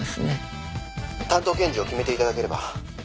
「担当検事を決めて頂ければ」